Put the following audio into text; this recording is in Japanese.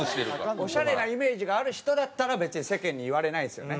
オシャレなイメージがある人だったら別に世間に言われないんですよね。